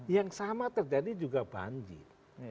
yang sama terjadi juga banjir